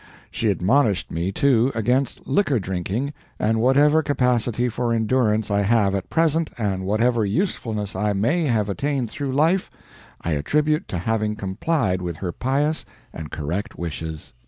She admonished me, too, against liquor drinking, and whatever capacity for endurance I have at present, and whatever usefulness I may have attained through life, I attribute to having complied with her pious and correct wishes.